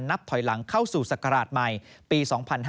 นับถอยหลังเข้าสู่ศักราชใหม่ปี๒๕๕๙